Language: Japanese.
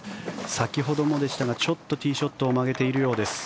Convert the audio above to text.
先ほどもでしたがちょっとティーショットを曲げているようです。